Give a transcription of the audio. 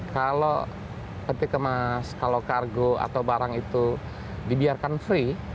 kalau ketika mas kalau kargo atau barang itu dibiarkan free